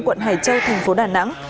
quận hải châu tp đà nẵng